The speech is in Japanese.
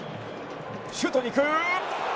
シュートにいく！